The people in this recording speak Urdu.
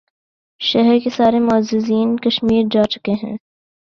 شہر کے سارے معززین کشمیر جا چکے ہیں۔